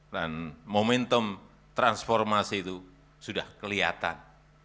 dan momentum transformasi itu sudah kelihatan